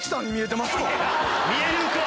見えるか！